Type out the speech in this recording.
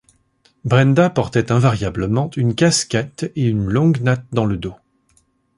Brenda portait invariablement une casquette et une longue natte dans le dos.